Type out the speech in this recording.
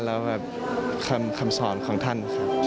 และคำสอนของท่าน